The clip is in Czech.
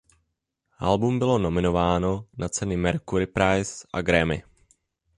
Album bylo nominováno na ceny Mercury Prize a Grammy.